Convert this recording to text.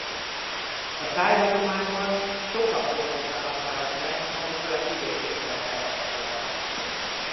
A szájhagyományban sok apró mozzanat maradt meg magukkal a kivégzésekkel kapcsolatban.